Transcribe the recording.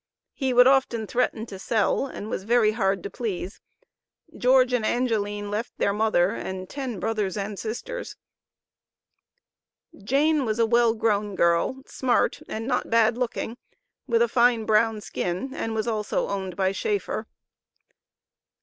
"He would often threaten to sell, and was very hard to please." George and Angeline left their mother and ten brothers and sisters. Jane was a well grown girl, smart, and not bad looking, with a fine brown skin, and was also owned by Schaeffer.